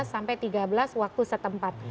sampai tiga belas waktu setempat